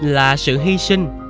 là sự hy sinh